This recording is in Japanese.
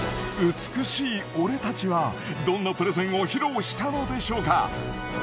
美しい俺たちはどんなプレゼンを披露したのでしょうか？